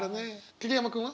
桐山君は？